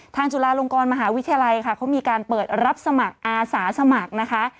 จุฬาลงกรมหาวิทยาลัยค่ะเขามีการเปิดรับสมัครอาสาสมัครนะคะ